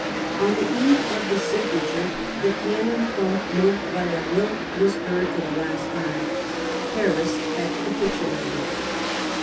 On the eve of the signature, the cannon from 148 The War of 1870 Mont Valerien was heard for flie last time : Paris had capitulated.